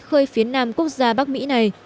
khơi phía nam quốc gia bắc mỹ này